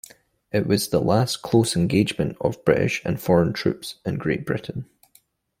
It was the last close engagement of British and foreign troops in Great Britain.